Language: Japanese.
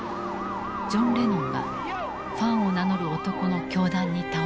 ジョン・レノンがファンを名乗る男の凶弾に倒れた。